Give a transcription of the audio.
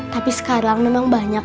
tapi sekarang memang banyak